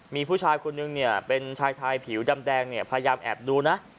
มีผู้ชายคนนึงเนี่ยเป็นชายไทยผิวดำแดงเนี่ยพยายามแอบดูนะ